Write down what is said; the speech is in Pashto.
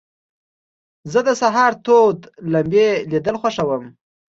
زه د سهار تود لمبې لیدل خوښوم.